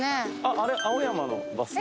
あれ青山のバス停？